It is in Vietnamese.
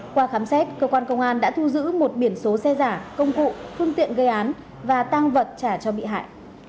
qua khám xét cơ quan công an đã thu giữ một biển số xe giả công cụ phương tiện gây án và tăng vật trả cho bị hại